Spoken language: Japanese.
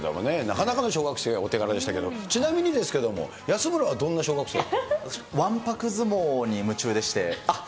なかなかの小学生のお手柄でしたけども、ちなみにですけども、わんぱく相撲に夢中でして。